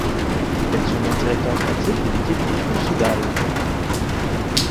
Il est actuellement directeur sportif de l'équipe Lotto-Soudal.